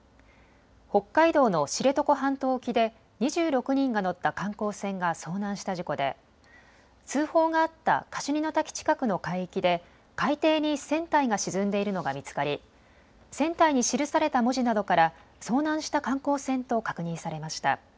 北海道の知床半島沖で２６人が乗った観光船が遭難した事故で通報があったカシュニの滝近くの海域で海底に船体が沈んでいるのが見つかり船体に記された文字などから遭難した観光船と確認されました。